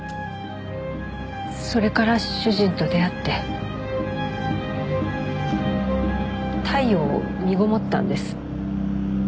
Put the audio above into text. それから主人と出会って太陽を身ごもったんです。